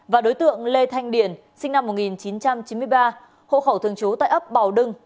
và đối tượng lê thanh điển sinh năm một nghìn chín trăm chín mươi ba hộ khẩu thường trú tại ấp bào đưng